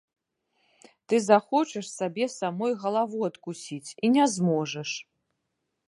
Ты захочаш сабе самой галаву адкусіць і не зможаш.